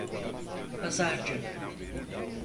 Pazarcı.